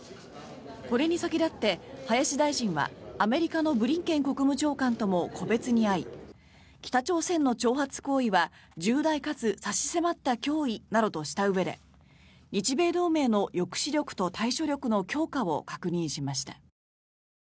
これに先立って林大臣はアメリカのブリンケン国務長官とも個別に会い北朝鮮の挑発行為は重大かつ差し迫った脅威などとしたうえで日米同盟の抑止力と対処力の強化を確認しました。